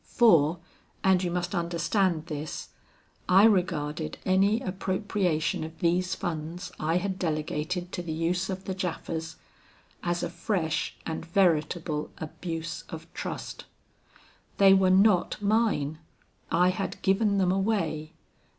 For and you must understand this I regarded any appropriation of these funds I had delegated to the use of the Japhas, as a fresh and veritable abuse of trust. They were not mine. I had given them away.